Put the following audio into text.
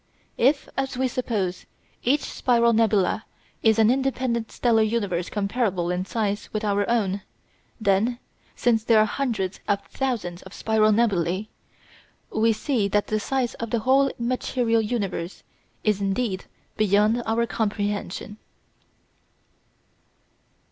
If, as we suppose, each spiral nebula is an independent stellar universe comparable in size with our own, then, since there are hundreds of thousands of spiral nebulæ, we see that the size of the whole material universe is indeed beyond our comprehension.